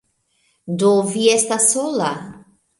Do, vi estas sola